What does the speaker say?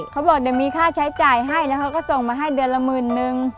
เขาบอกเดี๋ยวมีค่าใช้จ่ายให้แล้วเขาก็ส่งมาให้เดือนละหมื่นนึง